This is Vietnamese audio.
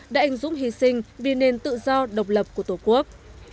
đã anh dũng hy sinh vì nền tự do độc lập của tổ quốc